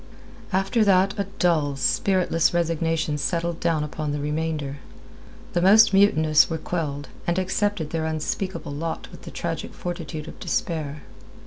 After that a dull, spiritless resignation settled down upon the remainder. The most mutinous were quelled, and accepted their unspeakable lot with the tragic fortitude of despair.